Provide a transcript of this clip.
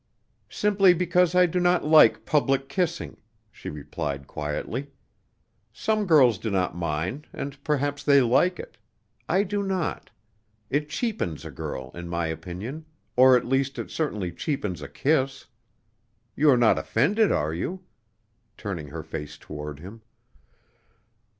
"Simply because I do not like public kissing," she replied quietly. "Some girls do not mind, and perhaps they like it. I do not. It cheapens a girl in my opinion, or at least it certainly cheapens a kiss. You are not offended, are you?" turning her face toward him.